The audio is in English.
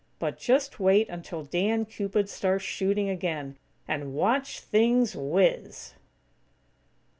But just wait until Dan Cupid starts shooting again, and watch things whiz!"